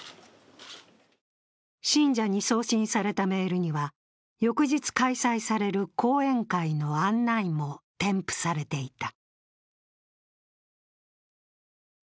信者に送信されたメールには翌日開催される講演会の案内も添付されていた。